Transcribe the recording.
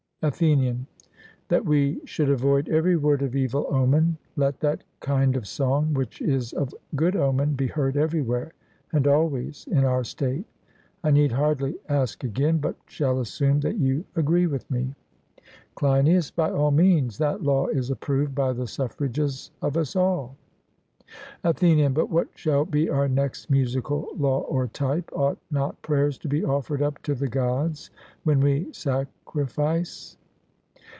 ATHENIAN: That we should avoid every word of evil omen; let that kind of song which is of good omen be heard everywhere and always in our state. I need hardly ask again, but shall assume that you agree with me. CLEINIAS: By all means; that law is approved by the suffrages of us all. ATHENIAN: But what shall be our next musical law or type? Ought not prayers to be offered up to the Gods when we sacrifice?